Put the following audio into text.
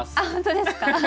あほんとですか？